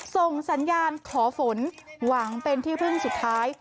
ส่งสัญญาณขอฝนหวังเป็นที่พึ่งสุดท้าย